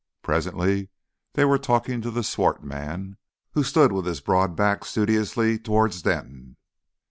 Presently they were talking to the swart man, who stood with his broad back studiously towards Denton.